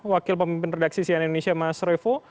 wakil pemimpin redaksi sian indonesia mas revo